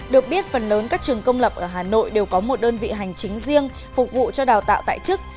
được biết phần lớn các trường công lập ở hà nội đều có một đơn vị hành chính riêng phục vụ cho đào tạo tại chức